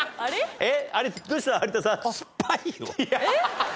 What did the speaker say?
えっ？